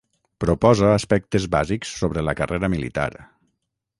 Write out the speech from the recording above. Proposa aspectes bàsics sobre la carrera militar.